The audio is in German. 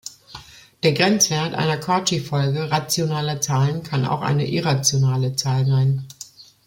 Der Grenzwert einer Cauchy-Folge rationaler Zahlen kann auch eine irrationale Zahl sein.